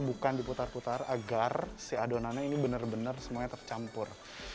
bukan diputar putar agar si adonannya ini benar benar semuanya tercampur